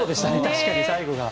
確かに最後が。